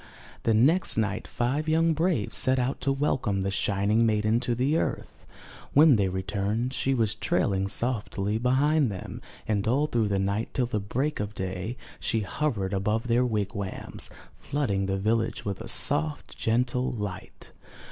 The next night five young braves set out to welcome the shining maiden to the earth. When they returned, she was trailing softly behind them, and all through the night till the break of day, she hovered above their wigwams, flooding the village with a soft, gentle light.